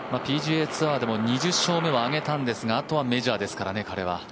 ＰＧＡツアーでも２０勝目を挙げたんですがあとはメジャーですからね、彼は。